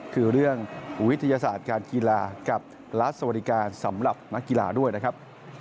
คือเรื่องวิทยาศาสตร์การกีฬากับรัฐสวัสดิการสำหรับนักกีฬาด้วยนะครับ